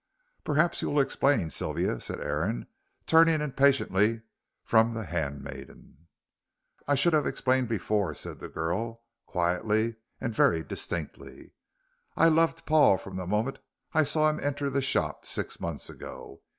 "Perhaps you will explain, Sylvia," said Aaron, turning impatiently from the handmaiden. "I should have explained before," said the girl, quietly and very distinctly. "I loved Paul from the moment I saw him enter the shop six months ago.